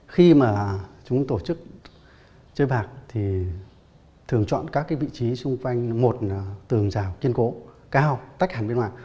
khi mà chúng tổ chức chơi bạc thì thường chọn các cái vị trí xung quanh một tường rào kiên cố cao tách hẳn bên ngoài